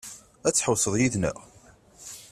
Ad tḥewwseḍ yid-neɣ?